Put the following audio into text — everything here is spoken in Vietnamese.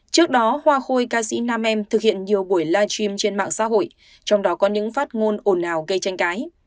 trước đó hoa khôi ca sĩ nam em thực hiện nhiều buổi live stream trên mạng xã hội trong đó có những phát ngôn ổn hào gây tranh cái